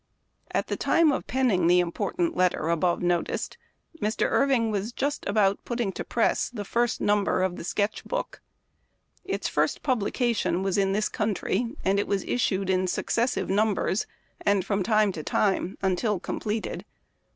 At the time of penning the important letter above noticed, Mr. Irving was just about put ting to press the first number of the " Sketch Book." Its first publication was in this coun try ; and it was issued in successive numbers, and from time to time, until completed.